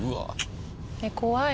怖い！